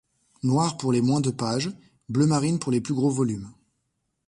Noir pour le moins de pages, bleu marine pour les plus gros volumes.